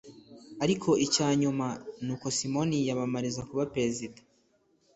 Ariko icyanyuma nuko Simon yiyamamariza kuba perezida